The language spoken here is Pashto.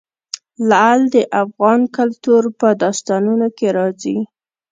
لعل د افغان کلتور په داستانونو کې راځي.